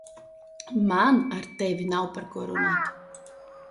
Man ar tevi nav par ko runāt.